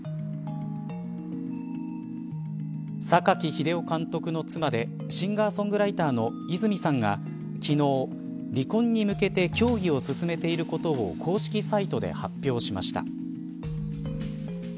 榊英雄監督の妻でシンガー・ソングライターの和さんが昨日、離婚に向けて協議を進めていることを公式サイトで発表しました。